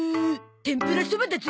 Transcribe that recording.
天ぷらそばだゾ。